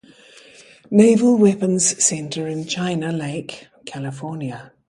Naval Weapons Center in China Lake, California.